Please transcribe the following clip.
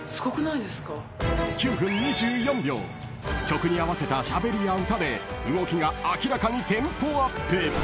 ［曲に合わせたしゃべりや歌で動きが明らかにテンポアップ］